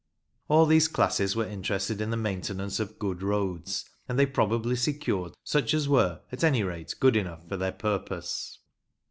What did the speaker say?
All these classes were interested in the maintenance of good roads, and they probably secured such as were at any rate good enough for their purpose.